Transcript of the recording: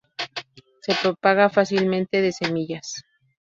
Se propaga fácilmente de semillas.